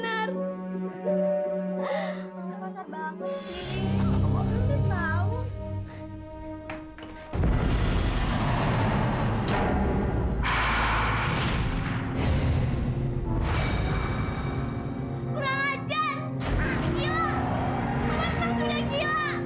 riwa untuk melakukan ini